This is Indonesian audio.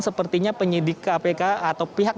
sepertinya penyidik kpk atau pihak